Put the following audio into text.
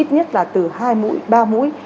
ít nhất là từ hai mũi ba mũi